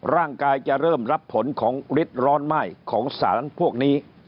ร่างกายจะเริ่มรับผลของฤทธิ์ร้อนไหม้ของสารพวกนี้